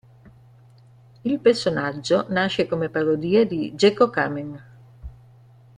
Il personaggio nasce come parodia di "Gekko Kamen".